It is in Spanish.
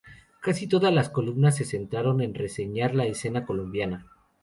Casi todas sus columnas se centraron en reseñar la escena colombiana.